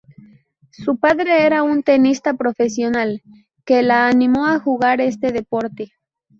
Su padre era un tenista profesional que la animó a jugar este deporte.